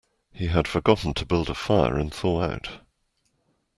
He had forgotten to build a fire and thaw out.